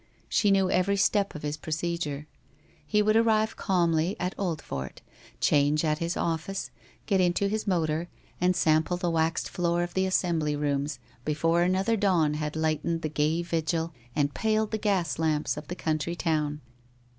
She knew every step of his procedure. He would arrive calmly at Old fort, change at his office, get into his motor and sample the waxed floor of the Assembly Rooms before another dawn had lightened the gay vigil and paled the gas lamps of the country town.